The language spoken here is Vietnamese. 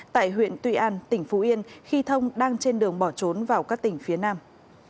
tại huyện tuy an tỉnh phú yên khi thông đang trên đường bỏ trốn vào các tỉnh phía nam